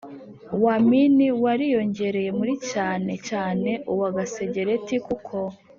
Wa mini wariyongereye muri cyane cyane uwa gasegereti kuko